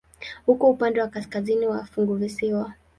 Uko upande wa kaskazini wa funguvisiwa.